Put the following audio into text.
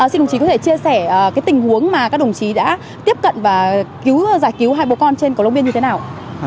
xin đồng chí có thể chia sẻ tình huống mà các đồng chí đã tiếp cận và giải cứu hai bố con trên cổ long biên như thế nào